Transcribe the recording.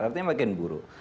artinya makin buruk